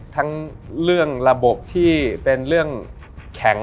ทั้งเรื่องระบบที่เป็นเรื่องแข็ง